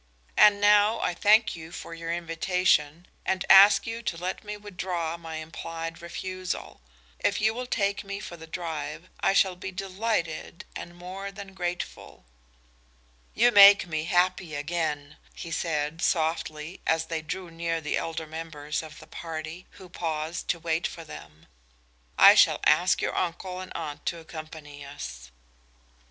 And now I thank you for your invitation, and ask you to let me withdraw my implied refusal. If you will take me for the drive, I shall be delighted and more than grateful." "You make me happy again," he said, softly, as they drew near the elder members of the party, who had paused to wait for them. "I shall ask your uncle and aunt to accompany us."